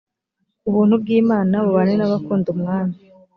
ubuntu bw imana bubane n abakunda umwami